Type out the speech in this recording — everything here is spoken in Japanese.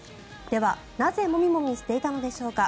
では、なぜモミモミしていたのでしょうか。